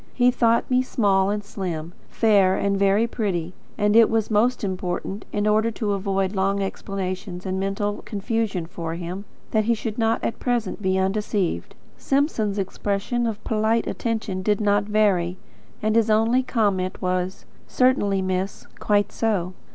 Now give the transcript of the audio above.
He thought me small and slim; fair and very pretty; and it was most important, in order to avoid long explanations and mental confusion for him, that he should not at present be undeceived. Simpson's expression of polite attention did not vary, and his only comment was: "Certainly, miss. Quite so."